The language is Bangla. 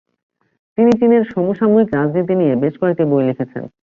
তিনি চীনের সমসাময়িক রাজনীতি নিয়ে বেশ কয়েকটি বই লিখেছেন।